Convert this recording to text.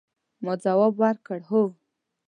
ما ځواب ورکړ، هو.